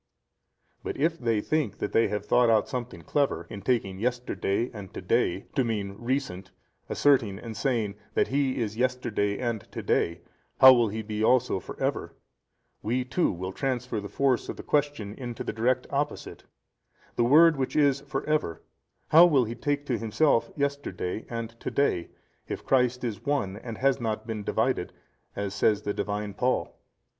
But if they think that they have thought out something clever, in taking yesterday and to day to mean recent, asserting and saying, He that is yesterday and to day how will he be also for ever, WE too will transfer the force of the question unto the direct opposite: The Word which is for ever how will He take to Himself Yesterday and to day, if Christ is One and has not been divided, as says the Divine Paul?